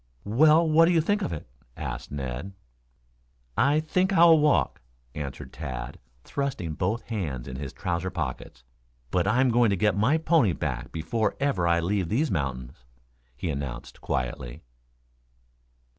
"Well, what do you think of it?" asked Ned. "I think I'll walk," answered Tad, thrusting both hands in his trousers pockets. "But I'm going to get my pony back before ever I leave these mountains," he announced quietly.